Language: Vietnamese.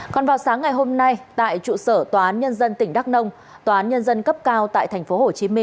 còn vào sáng ngày hôm nay tại trụ sở tòa án nhân dân tỉnh đắk nông tòa án nhân dân cấp cao tại tp hcm